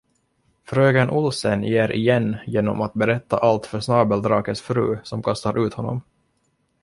Fröken Olsen ger igen genom att berätta allt för Snabeldrakes fru som kastar ut honom.